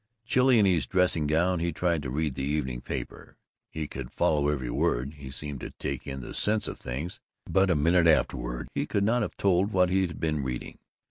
Chilly in his dressing gown he tried to read the evening paper. He could follow every word; he seemed to take in the sense of things; but a minute afterward he could not have told what he had been reading.